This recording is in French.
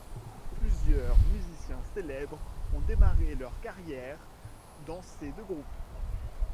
Plusieurs musiciens célèbres ont démarré leur carrière dans ces deux groupes.